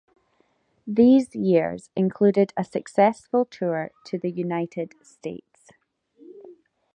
These years included a successful tour to the United States.